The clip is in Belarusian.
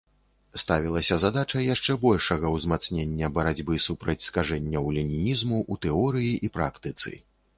Ставілася задача яшчэ большага ўзмацнення барацьбы супраць скажэнняў ленінізму ў тэорыі і практыцы.